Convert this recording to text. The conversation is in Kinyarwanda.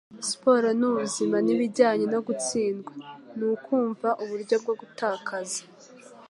Sport nubuzima nibijyanye no gutsindwa. Nukwumva uburyo bwo gutakaza